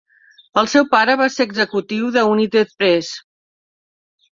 El seu pare va ser executiu de United Press.